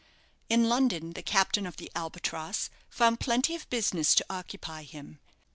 In London the captain of the "Albatross" found plenty of business to occupy him.